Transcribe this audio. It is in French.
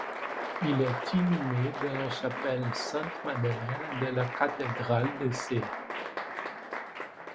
Il est inhumé dans la chapelle Sainte Madeleine de la cathédrale de Sées.